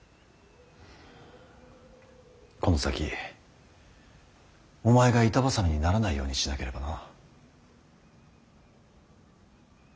この先お前が板挟みにならないようにしなければな。